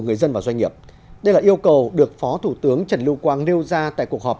người dân và doanh nghiệp đây là yêu cầu được phó thủ tướng trần lưu quang nêu ra tại cuộc họp